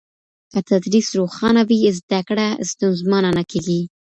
که تدریس روښانه وي، زده کړه ستونزمنه نه کېږي.